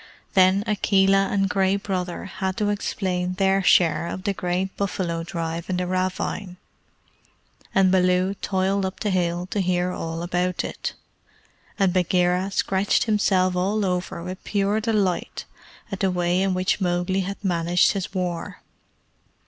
Then Akela and Gray Brother had to explain their share of the great buffalo drive in the ravine, and Baloo toiled up the hill to hear all about it, and Bagheera scratched himself all over with pure delight at the way in which Mowgli had managed his war.